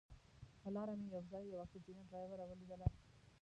پر لاره مې یو ځای یوه ښځینه ډریوره ولیدله.